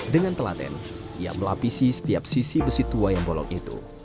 dengan telaten ia melapisi setiap sisi besi tua yang bolong itu